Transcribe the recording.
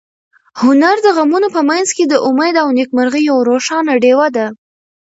هنر د غمونو په منځ کې د امید او نېکمرغۍ یوه روښانه ډېوه ده.